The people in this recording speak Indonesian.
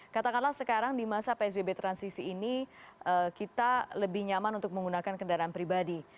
katakanlah sekarang di masa psbb transisi ini kita lebih nyaman untuk menggunakan kendaraan pribadi